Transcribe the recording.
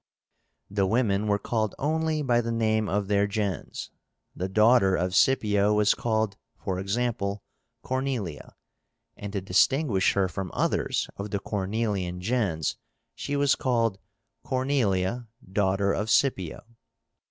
The women were called only by the name of their gens. The daughter of Scipio was called, for example, CORNELIA, and to distinguish her from others of the Cornelian gens she was called Cornelia daughter of Scipio.